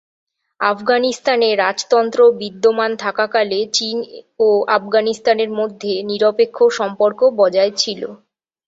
আফগানিস্তানে রাজতন্ত্র বিদ্যমান থাকাকালে চীন ও আফগানিস্তানের মধ্যে নিরপেক্ষ সম্পর্ক বজায় ছিল।